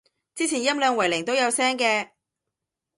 之前音量為零都有聲嘅